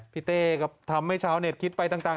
เต้ก็ทำให้ชาวเน็ตคิดไปต่าง